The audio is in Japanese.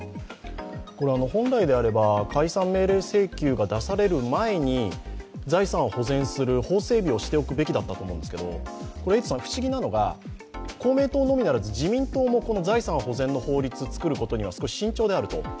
本来であれば解散命令請求が出される前に財産を保全する法整備をしておくべきだったと思うんですが不思議なのが、公明党のみならず自民党もこの財産保全の法律を作ることに少し慎重であると。